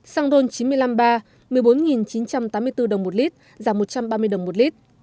xăng ron chín trăm năm mươi ba một mươi bốn chín trăm tám mươi bốn đồng một lít giảm một trăm ba mươi đồng một lít